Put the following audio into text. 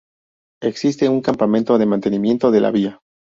Existe un campamento de mantenimiento de la vía.